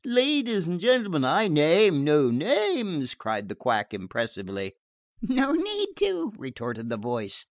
"Ladies and gentlemen, I name no names!" cried the quack impressively. "No need to," retorted the voice.